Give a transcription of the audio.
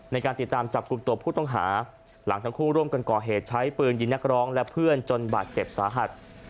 ในการติดตามจับกลุ่มตัวผู้ต้องหาหลังทั้งคู่ร่วมกันก่อเหตุใช้ปืนยิงนักร้องและเพื่อนจนบาดเจ็บสาหัส